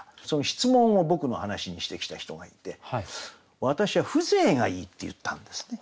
質問を僕の話にしてきた人がいて私は「風情がいい」って言ったんですね。